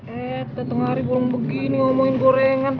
eh setengah hari belum begini ngomongin gorengan